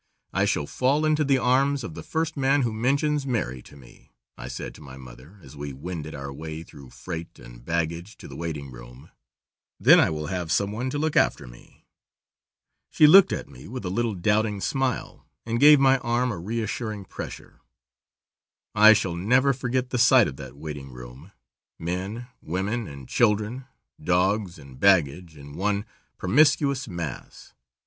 I shall fall into the arms of the first man who mentions marry to me," I said to my mother as we wended our way through freight and baggage to the waiting room, "then I will have some one to look after me." She looked at me with a little doubting smile, and gave my arm a reassuring pressure. I shall never forget the sight of that waiting room. Men, women, and children, dogs and baggage, in one promiscuous mass.